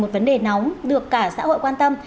một vấn đề nóng được cả xã hội quan tâm